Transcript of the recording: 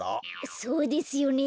そうですよねえ。